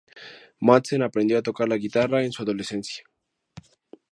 Madsen aprendió a tocar la guitarra en su adolescencia.